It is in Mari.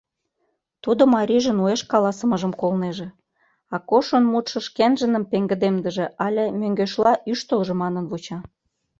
Тудо марийжын уэш каласымыжым колнеже, Акошын мутшо шкенжыным пеҥгыдемдыже але, мӧҥгешла, ӱштылжӧ, манын вуча.